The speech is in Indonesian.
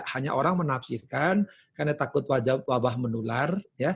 hanya orang menafsirkan karena takut wabah menular